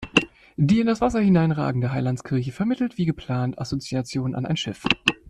Die in das Wasser hineinragende Heilandskirche vermittelt wie geplant Assoziationen an ein Schiff.